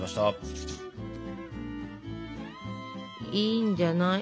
いいんじゃない？